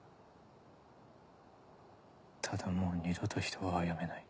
ただもう二度と人は殺めない。